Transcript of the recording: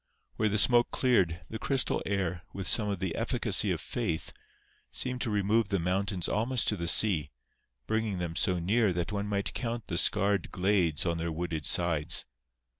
Where the smoke cleared, the crystal air, with some of the efficacy of faith, seemed to remove the mountains almost to the sea, bringing them so near that one might count the scarred glades on their wooded sides.